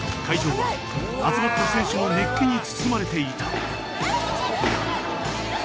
会場は集まった選手の熱気に包まれていた。